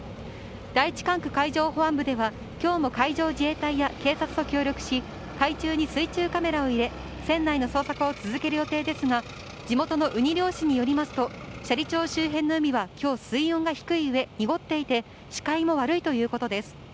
第１管区海上保安部では今日も海上自衛隊や警察と協力し海中に水中カメラを入れ船内の捜索を続ける予定ですが地元のウニ漁師によりますと斜里町周辺の海は今日、水温が低い上にごっていて視界も悪いということです。